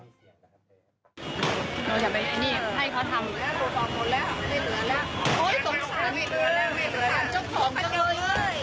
ถ้าเราอะไรจะไปเคียบเขาไม่ได้